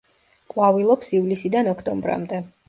ყვავილობს ივლისიდან ოქტომბრამდე.